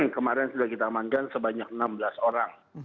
yang kemarin sudah kita amankan sebanyak enam belas orang